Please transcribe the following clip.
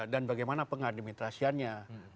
dan bagaimana pengadministrasiannya